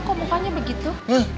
kok mukanya begitu